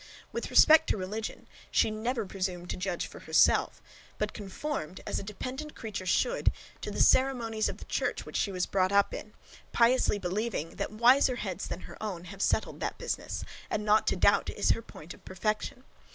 With respect to religion, she never presumed to judge for herself; but conformed, as a dependent creature should, to the ceremonies of the church which she was brought up in, piously believing, that wiser heads than her own have settled that business: and not to doubt is her point of perfection.